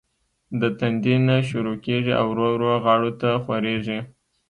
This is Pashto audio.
د تندي نه شورو کيږي او ورو ورو غاړو ته خوريږي